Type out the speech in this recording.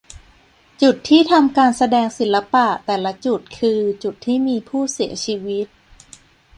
จุดที่ทำการแสดงศิลปะ แต่ละจุดคือจุดที่มีผู้เสียชีวิต